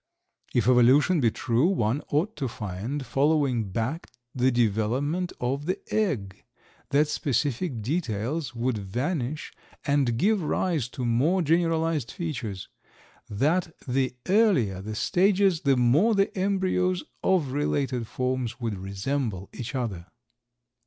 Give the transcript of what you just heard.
"If Evolution be true, one ought to find, following back the development of the egg, that specific details would vanish and give rise to more generalized features; that the earlier the stages, the more the embryos of related forms would resemble each other."